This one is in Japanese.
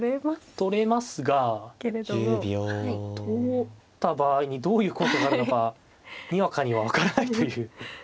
取れますが取った場合にどういうことがあるのかにわかに分からないという。